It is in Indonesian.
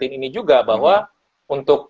ini juga bahwa untuk